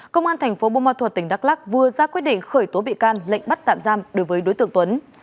công an thành phố bô ma thuật tỉnh đắk lắc vừa ra quyết định khởi tố bị can lệnh bắt tạm giam đối với đối tượng tuấn